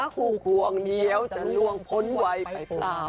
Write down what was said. คู่ควงเดี๋ยวจะล่วงพ้นวัยไปกว่า